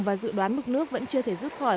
và dự đoán mực nước vẫn chưa thể rút khỏi